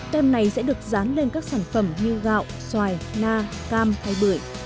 tem này sẽ được dán lên các sản phẩm như gạo xoài na cam hay bưởi